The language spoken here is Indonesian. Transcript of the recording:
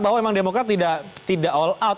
bahwa memang demokrat tidak all out